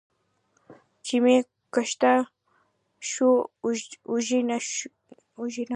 چې مې ښکته شو اوږې نه